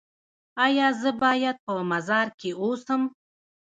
ایا زه باید په مزار کې اوسم؟